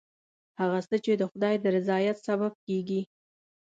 هغه څه چې د خدای د رضایت سبب کېږي.